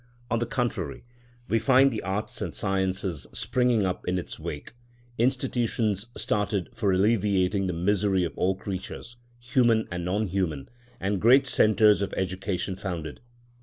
On the contrary, we find the arts and sciences springing up in its wake, institutions started for alleviating the misery of all creatures, human and non human, and great centres of education founded.